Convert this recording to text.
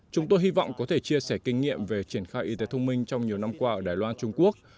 chúng tôi hy vọng có thể chia sẻ kinh nghiệm về triển khai y tế thông minh trong nhiều năm qua ở đài loan trung quốc